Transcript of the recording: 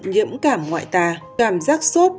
nhiễm cảm ngoại tà cảm giác sốt